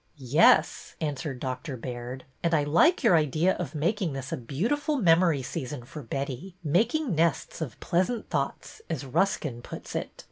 ''Yes," answered Doctor Baird; "and I like your idea of making this a beautiful memory season for Betty, 'making nests of pleasant thoughts,' as Ruskin puts it.